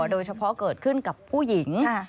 โดยเฉพาะเกิดขึ้นกับผู้หญิง